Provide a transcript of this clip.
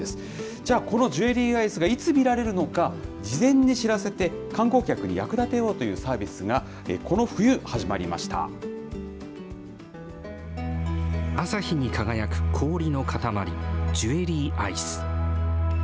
じゃあ、このジュエリーアイスがいつ見られるのか、事前に知らせて観光客に役立てようというサービスがこの冬始まり朝日に輝く氷の塊、ジュエリーアイス。